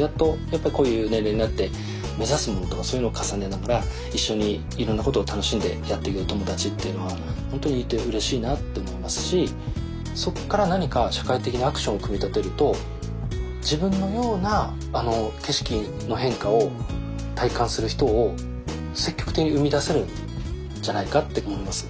やっとやっぱりこういう年齢になって目指すものとかそういうのを重ねながら一緒にいろんなことを楽しんでやっていける友達っていうのは本当にいてうれしいなって思いますしそこから何か社会的なアクションを組み立てると自分のような景色の変化を体感する人を積極的に生み出せるんじゃないかって思います。